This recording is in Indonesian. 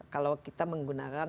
kalau kita menggunakan